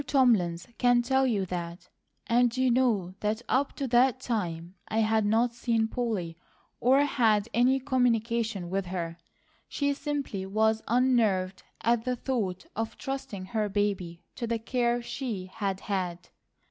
Thomlins can tell you that; and you know that up to that time I had not seen Polly, or had any communication with her. She simply was unnerved at the thought of trusting her baby to the care she had had."